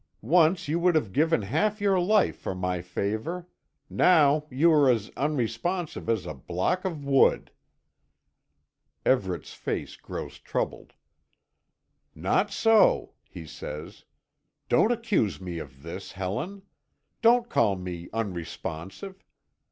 Once you would have given half your life for my favor; now you are as unresponsive as a block of wood." Everet's face grows troubled: "Not so," he says; "don't accuse me of this, Helen. Don't call me unresponsive.